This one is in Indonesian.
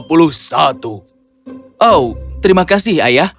oh terima kasih